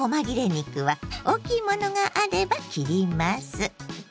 肉は大きいものがあれば切ります。